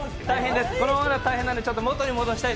このままだと大変なので、元に戻したい。